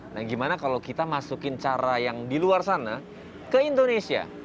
nah gimana kalau kita masukin cara yang di luar sana ke indonesia